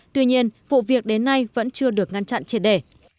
tuy nhiên vụ việc đến nay vẫn chưa được ngăn chặn triệt để